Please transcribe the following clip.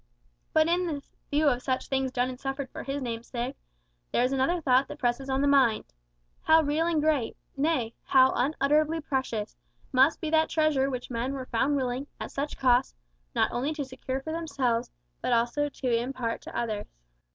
But in the view of such things done and suffered for his name's sake, there is another thought that presses on the mind. How real and great, nay, how unutterably precious, must be that treasure which men were found willing, at such cost, not only to secure for themselves, but even to impart to others.